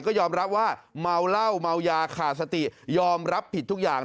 ก็ยอมรับว่าเมาเหล้าเมายาขาดสติยอมรับผิดทุกอย่าง